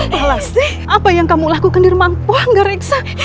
pak lastri apa yang kamu lakukan di rumah puan gak reksa